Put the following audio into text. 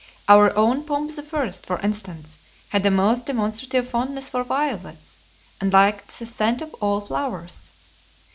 Our own Pomp the First, for instance, had a most demonstrative fondness for violets, and liked the scent of all flowers.